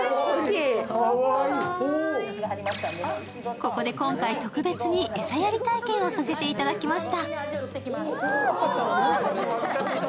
ここで今回、特別にえさやり体験をさせていただきました。